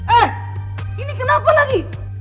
eh ini kenapa lagi